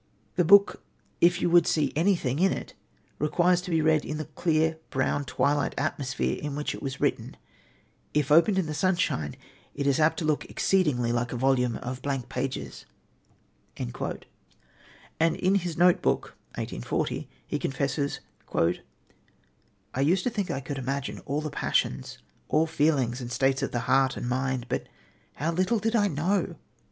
The book, if you would see anything in it, requires to be read in the clear, brown twilight atmosphere in which it was written; if opened in the sunshine, it is apt to look exceedingly like a volume of blank pages"; and in his Notebook (1840) he confesses: "I used to think I could imagine all the passions, all feelings and states of the heart and mind, but how little did I know!